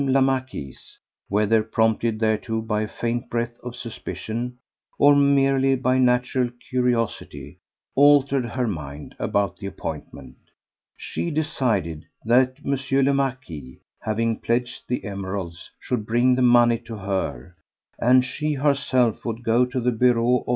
la Marquise—whether prompted thereto by a faint breath of suspicion, or merely by natural curiosity—altered her mind about the appointment. She decided that M. le Marquis, having pledged the emeralds, should bring the money to her, and she herself would go to the bureau of M.